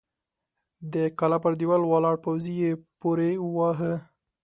د کلا پر دېوال ولاړ پوځي يې پورې واهه!